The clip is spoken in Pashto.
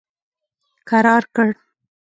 کرار کړ.